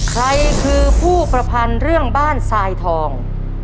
ใครคือผู้ประพันธ์เรื่องบ้านทรายทอง